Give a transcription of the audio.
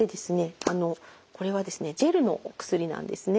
あのこれはですねジェルのお薬なんですね。